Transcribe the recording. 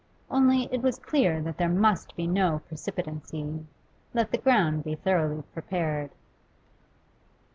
Only, it was clear that there must be no precipitancy. Let the ground be thoroughly prepared.